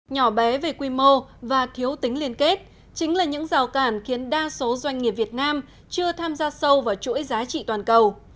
nhỏ bé về quy mô và thiếu tính liên kết chính là những rào cản khiến đa số doanh nghiệp việt nam chưa tham gia sâu vào chuỗi giá trị toàn cầu